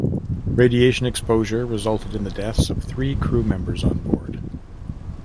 Radiation exposure resulted in the deaths of three crew members on board.